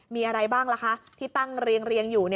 มีอะไรบ้างล่ะคะที่ตั้งเรียงอยู่